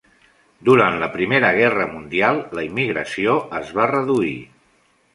Durant la Primera Guerra Mundial, la immigració es va reduir.